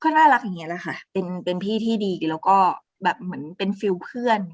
น่ารักอย่างนี้แหละค่ะเป็นพี่ที่ดีแล้วก็แบบเหมือนเป็นฟิลเพื่อน